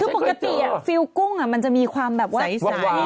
บ่กติอ่ะฟิลกุ้งมันมีความแบบว่าใส